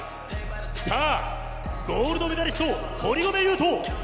さあ、ゴールドメダリスト堀米雄斗